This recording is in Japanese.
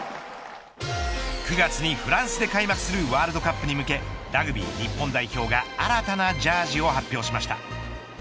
９月にフランスで開幕するワールドカップに向けラグビー日本代表が新たなジャージを発表しました。